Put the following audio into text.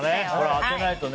当てないとね。